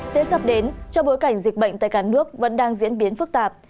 tết sắp đến trong bối cảnh dịch bệnh tại cả nước vẫn đang diễn biến phức tạp